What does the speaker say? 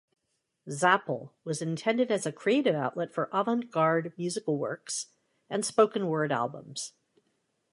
Zapple was intended as a creative outlet for avant-garde musical works and spoken-word albums.